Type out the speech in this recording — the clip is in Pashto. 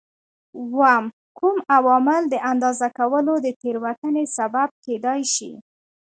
اووم: کوم عوامل د اندازه کولو د تېروتنې سبب کېدای شي؟